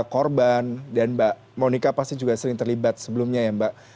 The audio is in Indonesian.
korban dan mbak monika pasti juga sering terlibat sebelumnya ya mbak